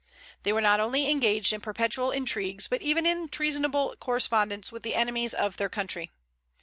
They were not only engaged in perpetual intrigues, but even in treasonable correspondence with the enemies of their country.